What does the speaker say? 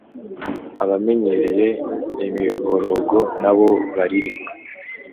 abamenyereye imiborogo nabo barire.